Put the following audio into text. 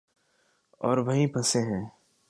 اوروہیں پھنسے ہیں۔